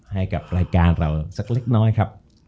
ให้กับรายการเราสักเล็กน้อยครับ